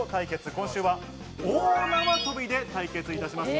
今週は大縄跳びで対決いたします。